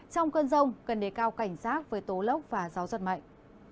trong cơn rông cần đề cao cảnh giác với tố lốc và gió giật mạnh